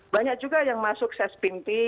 banyak juga yang masuk ses pinti